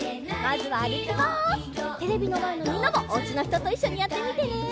テレビのまえのみんなもおうちのひとといっしょにやってみてね！